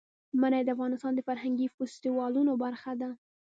منی د افغانستان د فرهنګي فستیوالونو برخه ده.